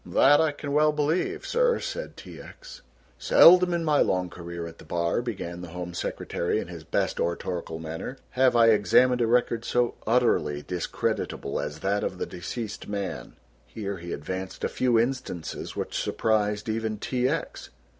"That I can well believe, sir," said T. X. "Seldom in my long career at the bar," began the Home Secretary in his best oratorical manner, "have I examined a record so utterly discreditable as that of the deceased man." Here he advanced a few instances which surprised even T. X.